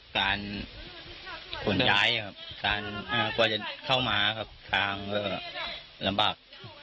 การขุนใช้การกลัวจะเข้ามาทางก็ลำบาก